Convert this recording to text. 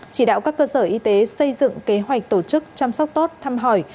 chỉ đạo các cơ sở y tế xây dựng kế hoạch tổ chức chăm sóc tốt thăm hỏi